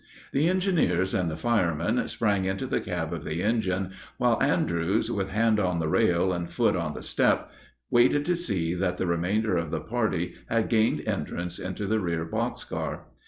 The engineers and the firemen sprang into the cab of the engine, while Andrews, with hand on the rail and foot on the step, waited to see that the remainder of the party had gained entrance into the rear box car.